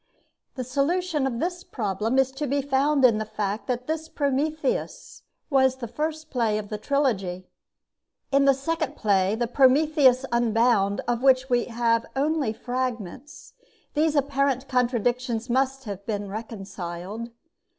The solution of this problem is to be found in the fact that this 'Prometheus' was the first play of the trilogy. In the second play, the 'Prometheus Unbound,' of which we have only fragments, these apparent contradictions must have been reconciled.